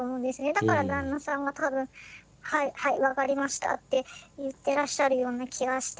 だから旦那さんが多分「はいはい分かりました」って言ってらっしゃるような気がして。